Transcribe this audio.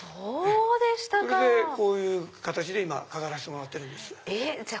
それでこういう形で今飾らせてもらってるんです。